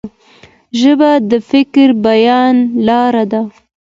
ژبه د فکري بیان لار ده.